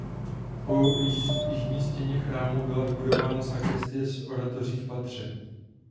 Při jižní stěně chrámu byla vybudována sakristie s oratoří v patře.